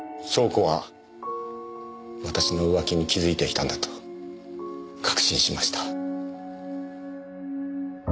湘子は私の浮気に気付いていたんだと確信しました。